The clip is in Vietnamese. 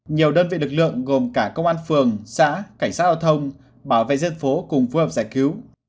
nhiều đơn vị lực lượng gồm cả công an phường xã cảnh sát giao thông bảo vệ dân phố cùng phối hợp giải cứu